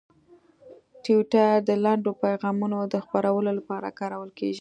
ټویټر د لنډو پیغامونو د خپرولو لپاره کارول کېږي.